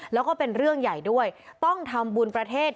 แล้วก็เป็นเรื่องใหญ่ด้วยต้องทำบุญประเทศ